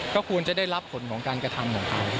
ก็ควรจะได้รับผลของการกระทำของเขา